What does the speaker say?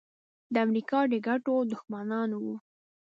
د امریکا د ګټو دښمنان وو.